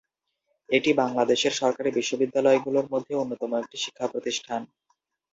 এটি বাংলাদেশের সরকারী বিদ্যালয়গুলোর মধ্যে অন্যতম একটি শিক্ষা প্রতিষ্ঠান।